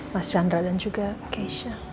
mas chandra dan juga keisha